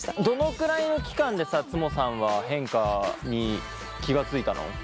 どのくらいの期間でさつもさんは変化に気が付いたの？